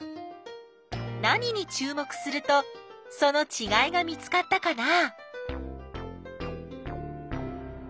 何にちゅう目するとそのちがいが見つかったかな？